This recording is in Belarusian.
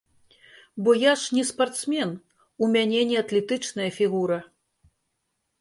Бо я ж не спартсмен, у мяне не атлетычная фігура.